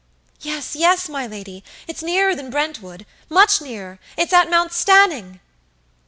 "Yes, yes, my lady; it's nearer than Brentwoodmuch nearer; it's at Mount Stanning."